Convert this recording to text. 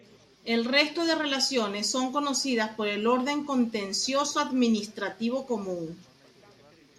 El resto de relaciones son conocidas por el orden contencioso-administrativo común.